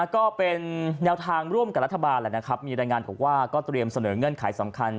ก็เป็นแนวทางร่วมกับรัฐบาลแหละนะครับมีรายงานบอกว่าก็เตรียมเสนอเงื่อนไขสำคัญ